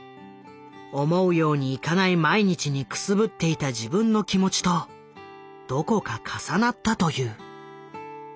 思うようにいかない毎日にくすぶっていた自分の気持ちとどこか重なったという。